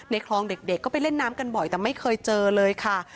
คลองเด็กก็ไปเล่นน้ำกันบ่อยแต่ไม่เคยเจอเลยค่ะ